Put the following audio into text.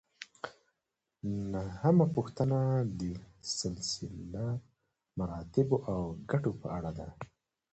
نهمه پوښتنه د سلسله مراتبو او ګټو په اړه ده.